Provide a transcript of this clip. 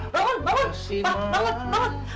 bangun bangun pak bangun bangun